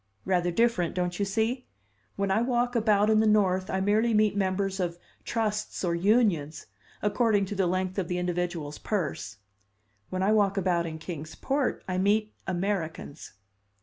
Rather different, don't you see? When I walk about in the North, I merely meet members of trusts or unions according to the length of the individual's purse; when I walk about in Kings Port, I meet Americans.